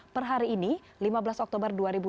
per hari ini lima belas oktober dua ribu dua puluh